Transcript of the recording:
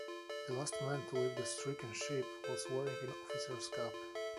The last man to leave the stricken ship was wearing an officer's cap.